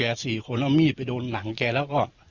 แล้วก็เอามีดไปโดนหลังแกแล้ว